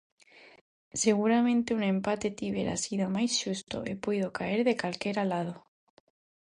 Seguramente un empate tivera sido máis xusto, e puido caer de calquera lado.